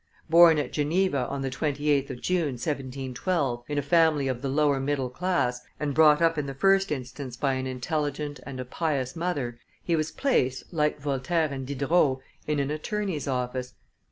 Born at Geneva on the 28th of June, 1712, in a family of the lower middle class, and brought up in the first instance by an intelligent and a pious mother, he was placed, like Voltaire and Diderot, in an attorney's office.